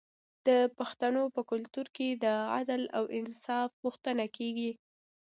د پښتنو په کلتور کې د عدل او انصاف غوښتنه کیږي.